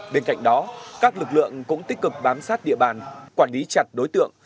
bên cạnh đó các lực lượng cũng tích cực bám sát địa bàn quản lý chặt đối tượng